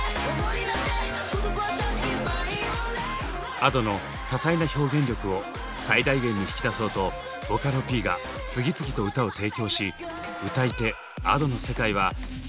Ａｄｏの多彩な表現力を最大限に引き出そうとボカロＰが次々と歌を提供し歌い手Ａｄｏの世界は広がり続けています。